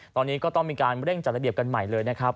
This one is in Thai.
ตอนนี้ก็ต้องมีการเร่งจัดระเบียบกันใหม่เลยนะครับ